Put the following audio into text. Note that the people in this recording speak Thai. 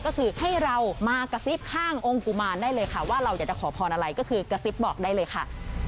ก็คือให้เรามากระซิบข้างองค์กุมารได้เลยค่ะว่าเราอยากจะขอพรอะไรก็คือกระซิบบอกได้เลยค่ะ